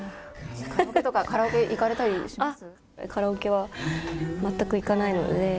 カラオケとか行かれたりします？